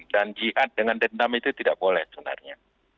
dan jihad dengan dendam itu tidak boleh sebenarnya